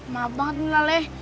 maaf banget mila leh